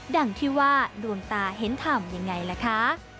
ดังที่ว่าดวนตาเห็นธรรมยังไงล่ะคะ